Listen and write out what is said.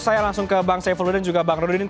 saya langsung ke bang saifullah dan juga bang rudin